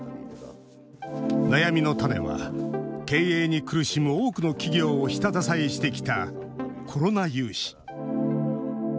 悩みの種は経営に苦しむ多くの企業を下支えしてきたコロナ融資。